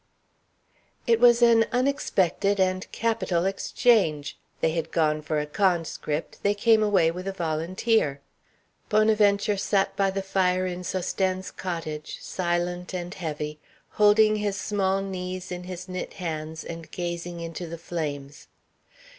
It was an unexpected and capital exchange. They had gone for a conscript; they came away with a volunteer. Bonaventure sat by the fire in Sosthène's cottage, silent and heavy, holding his small knees in his knit hands and gazing into the flames.